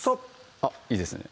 あっいいですね